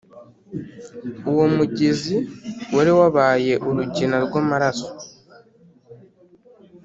uwo mugezi wari wabaye urugina rw' amaraso